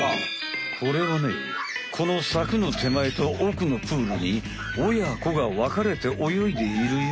このさくのてまえと奥のプールにおやこがわかれておよいでいるよ。